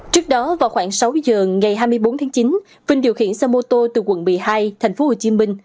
trước đó vào khoảng sáu giờ ngày hai mươi bốn tháng chín vinh điều khiển xe mô tô từ quận một mươi hai thành phố hồ chí minh